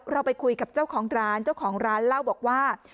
เราไปคุยกับเจ้าของร้านเจ้าของร้านเล่าบอกว่า